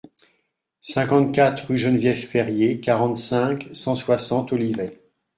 cinquante-quatre rue Geneviève Perrier, quarante-cinq, cent soixante, Olivet